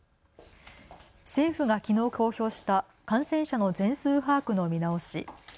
政府がきのう公表した感染者の全数把握の見直し。